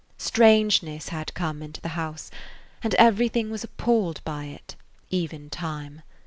Strangeness had come into the house, and everything was appalled by it, even time.